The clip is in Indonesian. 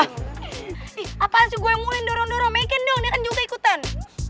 eh apaan sih gue yang mau dorong dorong maken dong dia kan juga ikutan